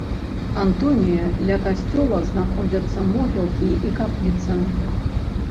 Антонія, ля касцёла знаходзяцца могілкі і капліца.